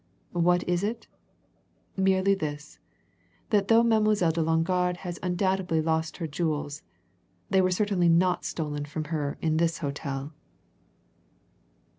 What is it? Merely this that though Mademoiselle de Longarde has undoubtedly lost her jewels, they were certainly not stolen from her in this hotel!"